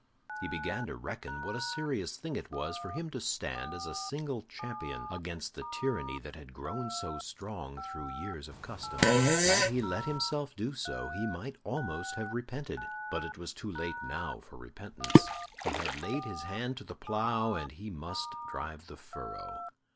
He began to reckon what a serious thing it was for him to stand as a single champion against the tyranny that had grown so strong through years of custom. Had he let himself do so, he might almost have repented, but it was too late now for repentance. He had laid his hand to the plough, and he must drive the furrow.